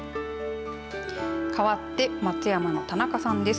かわって松山の田中さんです。